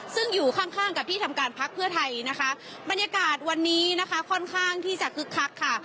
ซึ่งอยู่ข้างข้างกับที่ทำการพักเพื่อไทยนะคะบรรยากาศวันนี้นะคะค่อนข้างที่จะคึกคักค่ะ